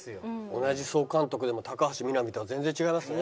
同じ総監督でも高橋みなみとは全然違いますね。